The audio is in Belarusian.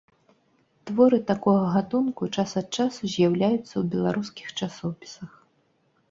Творы такога гатунку час ад часу з'яўляюцца ў беларускіх часопісах.